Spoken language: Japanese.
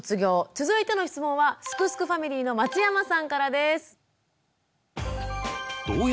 続いての質問はすくすくファミリーの松山さんからです。